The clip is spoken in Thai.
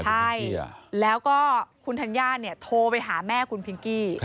ใช่แล้วก็คุณธัญญาเนี่ยโทรไปหาแม่คุณพิงกี้